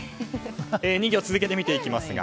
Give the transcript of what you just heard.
２行続けて見ていきます。